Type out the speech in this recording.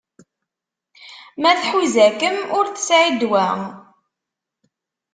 Ma tḥuza-kem ur tesɛi ddwa.